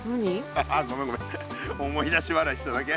ああごめんごめん思い出しわらいしただけ。